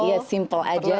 iya simple saja